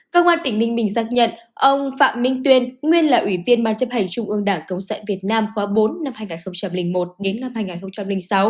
công an tỉnh ninh bình xác nhận ông phạm minh tuyên nguyên là ủy viên ban chấp hành trung ương đảng cộng sản việt nam khóa bốn năm hai nghìn một đến năm hai nghìn sáu